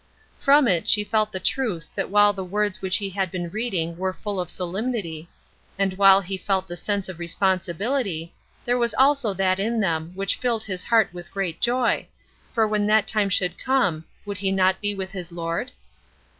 From it she felt the truth that while the words which he had been reading were full of solemnity, and while he felt the sense of responsibility, there was also that in them which filled his heart with great joy, for when that time should come would not he be with his Lord?